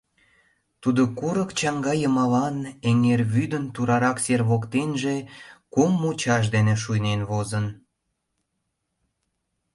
Тудо курык чаҥга йымалан, эҥер вӱдын турарак сер воктенже, кум мучаш дене шуйнен возын.